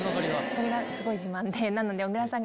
それがすごい自慢で。